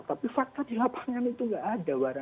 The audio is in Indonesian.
tapi fakta di lapangan itu nggak ada